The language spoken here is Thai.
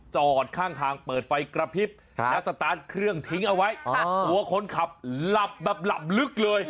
จอดข้างทางเปิดไฟกระพริบแล้วสตาร์ทเครื่องทิ้งเอาไว้ตัวคนขับหลับแบบหลับลึกเลย